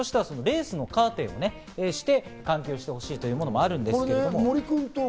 対策としてはレースのカーテンをして、換気をしてほしいというものもあるんですけど。